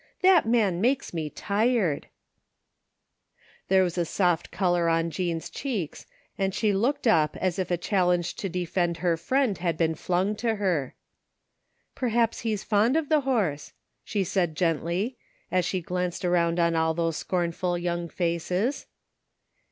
That man makes me tired !" There was a soft color on Jean's cheeks and she looked up as if a challenge to defend her friend had been flung to her. " Perhaps he's fond of the horse," she said gently, as she glanced around on all those scornful young faces.